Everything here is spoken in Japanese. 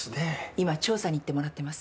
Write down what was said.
今調査に行ってもらってます。